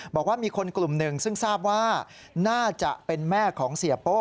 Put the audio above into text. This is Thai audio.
บอกว่ามีคนกลุ่มหนึ่งซึ่งทราบว่าน่าจะเป็นแม่ของเสียโป้